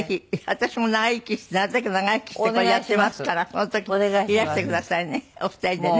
私も長生きしてなるたけ長生きしてこれやってますからその時いらしてくださいねお二人でね。